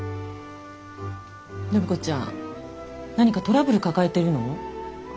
暢子ちゃん何かトラブル抱えてるの？